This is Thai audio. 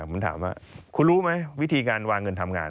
ผมถามว่าคุณรู้ไหมวิธีการวางเงินทำงาน